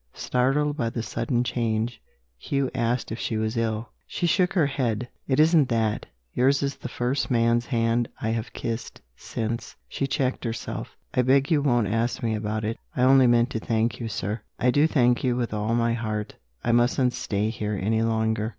Startled by the sudden change, Hugh asked if she was ill. She shook her head. "It isn't that. Yours is the first man's hand I have kissed, since " She checked herself. "I beg you won't ask me about it. I only meant to thank you, sir; I do thank you with all my heart I mustn't stay here any longer."